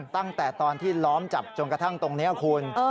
ตั้งแต่ตอนที่ล้อมจับจนกระทั่งตรงนี้คุณ